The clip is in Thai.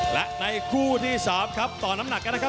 และในคู่ที่๓ครับต่อน้ำหนักกันนะครับ